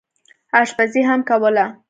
اشپزي هم کوله.